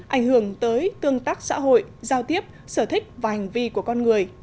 ảnh hưởng tới tương tác xã hội giao tiếp sở thích và hành vi của con người